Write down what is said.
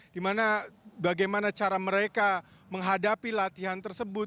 dimana bagaimana cara mereka menghadapi latihan tersebut